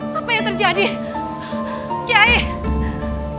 n pondern tiang